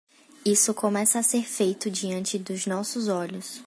Isso começa a ser feito diante dos nossos olhos.